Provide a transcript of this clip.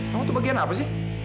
kamu tuh bagian apa sih